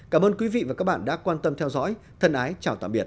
cảm ơn quý vị và các bạn đã quan tâm theo dõi thân ái chào tạm biệt